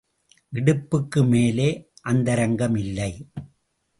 இடுப்புக்கு மேலே அந்தரங்கம் இல்லை.